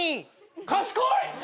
賢い！